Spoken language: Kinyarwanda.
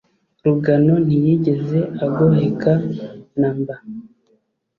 Rugano ntiyigeze agoheka na mba !